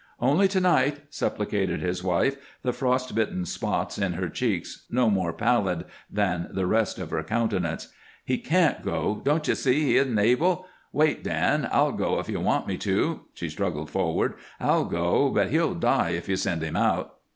"Only to night," supplicated his wife, the frost bitten spots in her cheeks no more pallid than the rest of her countenance. "He can't go. Don't you see he isn't able? Wait, Dan; I'll go if you want me to" she struggled forward. "I'll go, but he'll die if you send him out."